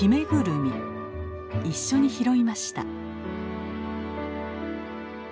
一緒に拾いました。